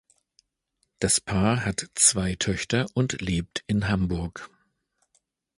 Das Paar hat zwei Töchter und lebt in Hamburg.